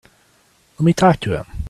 Let me talk to him.